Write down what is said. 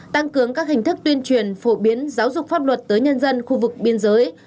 tăng cường các hình thức tuyên truyền phổ biến giáo dục pháp luật tới nhân dân khu vực biên giới